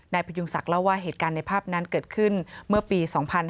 พยุงศักดิ์เล่าว่าเหตุการณ์ในภาพนั้นเกิดขึ้นเมื่อปี๒๕๕๙